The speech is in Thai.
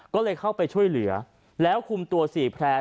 ก็เลยเข้าไปช่วยเหลือแล้วคุมตัว๔แพร่